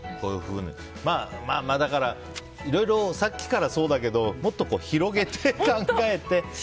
だから、さっきからそうだけどもっと広げて考えて。